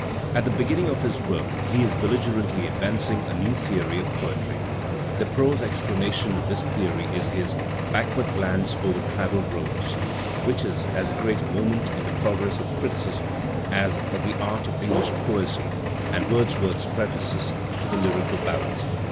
At the beginning of his work he is beUigerently advancing a new theory of poetry. The prose explanation of this theory is his "Backward Glance O'er Traveled Roads," which is as great a moment in the progress of criticism as "The Arte of English Poesie" and Wordsworth's prefaces to the "Lyrical Ballads."